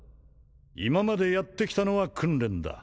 今までやってきたのは訓練だ